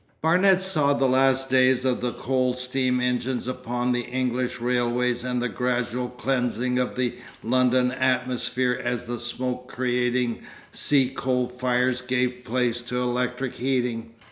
') Barnet saw the last days of the coal steam engines upon the English railways and the gradual cleansing of the London atmosphere as the smoke creating sea coal fires gave place to electric heating.